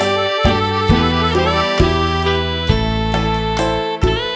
ขอบคุณครับ